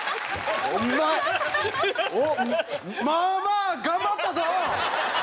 まあまあ頑張ったぞ！